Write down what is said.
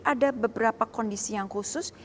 ada beberapa kondisi yang khusus